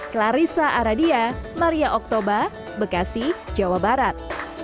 clarissa aradia maria oktober bekasi jawa barat